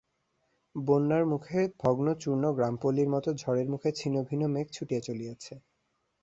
বন্যার মুখে ভগ্ন চূর্ণ গ্রামপল্লীর মত, ঝড়ের মুখে ছিন্নভিন্ন মেঘ ছুটিয়া চলিয়াছে।